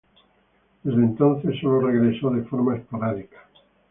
Desde entonces sólo regresó de forma esporádica.